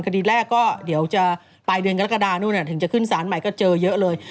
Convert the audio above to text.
คดีแรกก็เดี๋ยวจะปลายเดือนกรกฎานู่นถึงจะขึ้นสารใหม่ก็เจอเยอะเลย